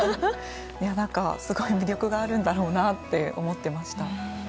何か、すごい魅力があるんだろうと思ってました。